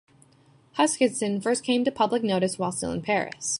Huskisson first came to public notice while still in Paris.